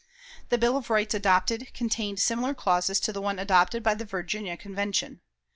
The Bill of Rights adopted contained similar clauses to the one adopted by the Virginia Convention.